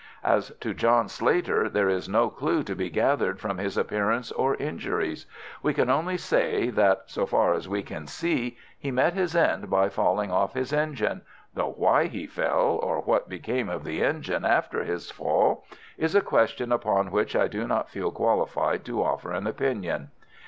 "As to John Slater, there is no clue to be gathered from his appearance or injuries. We can only say that, so far as we can see, he met his end by falling off his engine, though why he fell, or what became of the engine after his fall, is a question upon which I do not feel qualified to offer an opinion."